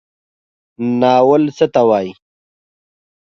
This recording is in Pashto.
ناول څه ته وایي؟